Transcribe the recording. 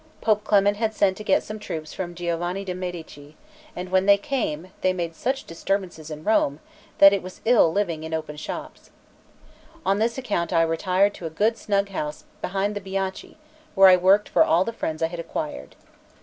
Pope Clement had sent to get some troops from Giovanni de' Medici, and when they came, they made such disturbances in Rome, that it was ill living in open shops. On this account I retired to a good snug house behind the Banchi, where I worked for all the friends I had acquired.